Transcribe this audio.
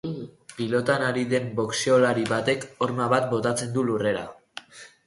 Pilotan ari den boxeolari batek horma bat botatzen du lurrera.